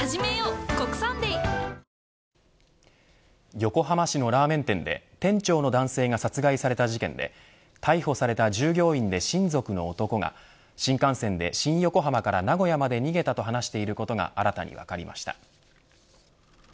横浜市のラーメン店で店長の男性が殺害された事件で逮捕された従業員で親族の男が新幹線で新横浜から名古屋まで逃げたと話していることが新たに分かりました。